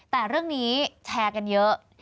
แต่เรื่องนี้แชร์กันเยอะ